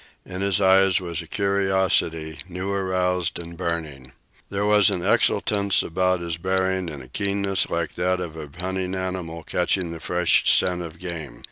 In his eyes was a curiosity, new aroused and burning. There was an exultance about his bearing and a keenness like that of a hunting animal catching the fresh scent of game.